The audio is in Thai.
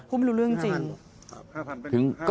พูดไม่รู้เรื่องจริง